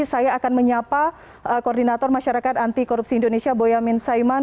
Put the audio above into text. saya akan menyapa koordinator masyarakat anti korupsi indonesia boyamin saiman